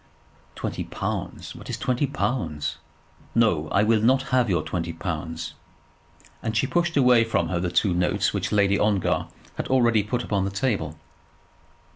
"Twenty pounds! What is twenty pounds? No; I will not have your twenty pounds." And she pushed away from her the two notes which Lady Ongar had already put upon the table.